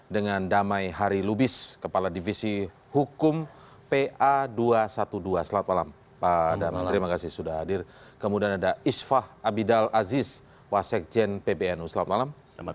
dengan damai hari lubis kepala divisi hukum pa dua ratus dua belas selamat malam